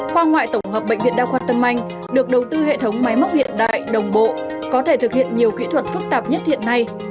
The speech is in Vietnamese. khoa ngoại tổng hợp bệnh viện đa khoa tâm anh được đầu tư hệ thống máy móc hiện đại đồng bộ có thể thực hiện nhiều kỹ thuật phức tạp nhất hiện nay